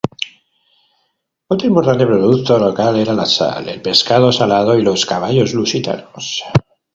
Otro importante producto local era la sal, el pescado salado y los caballos lusitanos.